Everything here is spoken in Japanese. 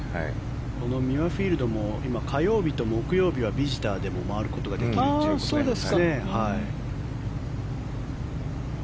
このミュアフィールドも今、火曜日と木曜日はビジターでも回ることができるということです。